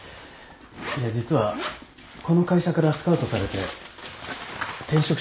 いや実はこの会社からスカウトされて転職しようと思ってるんだ。